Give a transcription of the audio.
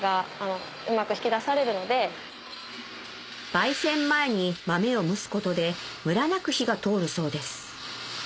焙煎前に豆を蒸すことでムラなく火が通るそうです